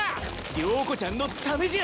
了子ちゃんのためじゃ。